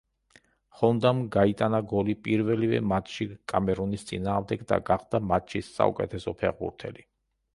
ჰონდამ გაიტანა გოლი პირველივე მატჩში კამერუნის წინააღმდეგ და გახდა მატჩის საუკეთესო ფეხბურთელი.